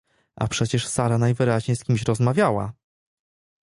A przecież Sara najwyraźniej z kimś rozmawiała!